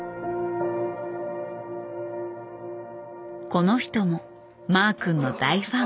この人もマー君の大ファン。